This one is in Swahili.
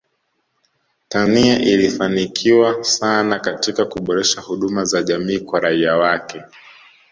Tanzania ilifanikiwa sana katika kuboresha huduma za jamii kwa raia wake